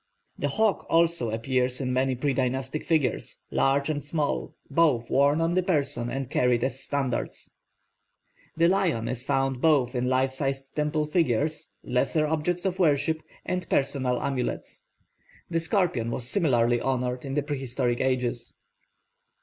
The hawk also appears in many predynastic figures, large and small, both worn on the person and carried as standards. The lion is found both in life size temple figures, lesser objects of worship, and personal amulets. The scorpion was similarly honoured in the prehistoric ages.